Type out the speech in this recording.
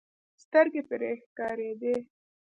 سترګې پرې ښکارېدې.